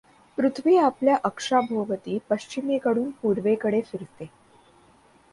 पृथ्वी आपल्या अक्षाभोवती पश्चिमेकडून पूर्वेकडे फिरते.